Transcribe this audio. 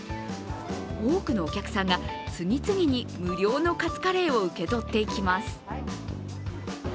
多くのお客さんが次々に無料のカツカレーを受け取っていきます。